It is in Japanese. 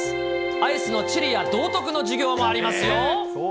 アイスの地理や道徳の授業もありますよ。